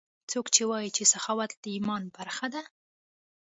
څوک وایي چې سخاوت د ایمان برخه ده